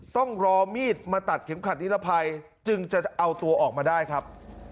ต้องรอมีดมาตัดเข็มขัดนิรภัยจึงจะเอาตัวออกมาได้ครับ